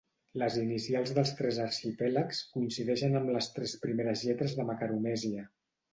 Les inicials dels tres arxipèlags coincideixen amb les tres primeres lletres de Macaronèsia.